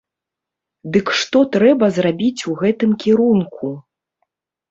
Дык што трэба зрабіць у гэтым кірунку?